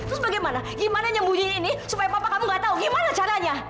terus bagaimana gimana nyembunyi ini supaya bapak kamu gak tahu gimana caranya